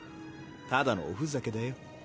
ただのおふざけだよ。